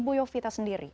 menurut ibu yovita sendiri